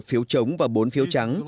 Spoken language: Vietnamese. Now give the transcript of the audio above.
một phiếu chống và bốn phiếu trắng